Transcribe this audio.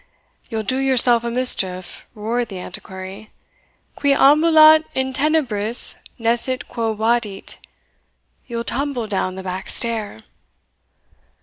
"You'll do yourself a mischief," roared the Antiquary; "Qui ambulat in tenebris, nescit quo vadit You'll tumble down the back stair."